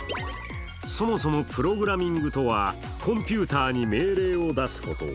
そもそもプログラミングとはコンピューターに命令を出すこと。